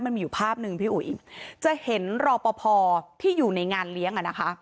มันมีอยู่ภาพหนึ่งพี่อุ๋ยจะเห็นรอปภที่อยู่ในงานเลี้ยงอ่ะนะคะ